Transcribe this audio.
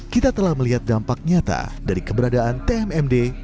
kita telah melihat dampak nyata dari keberadaan tmmd